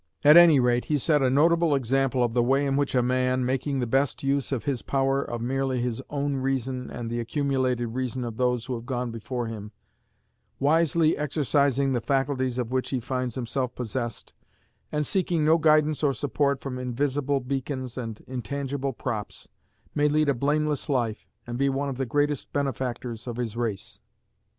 At any rate, he set a notable example of the way in which a man, making the best use in his power of merely his own reason and the accumulated reason of those who have gone before him, wisely exercising the faculties of which he finds himself possessed, and seeking no guidance or support from invisible beacons and intangible props, may lead a blameless life, and be one of the greatest benefactors of his race.